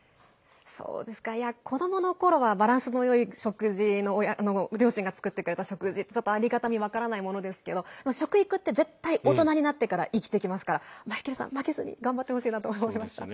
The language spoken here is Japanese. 子どものころはバランスのよい食事両親が作ってくれた食事のありがたみ分からないものですけど食育って絶対大人になってから生きてきますからマイケルさん、負けずに頑張ってほしいなと思いました。